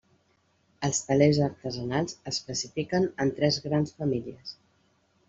Els telers artesanals es classifiquen en tres grans famílies: